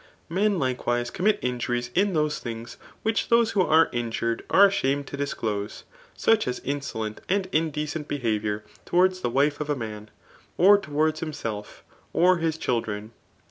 Men likewise commit injuries in those diings which those who are injured are ashamed to disclose j such as insolent and indecent behaviour (o» wards the wife of a man, or towards himself, or his chil* dren.